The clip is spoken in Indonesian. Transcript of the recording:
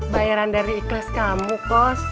bayaran dari ikhlas kamu kos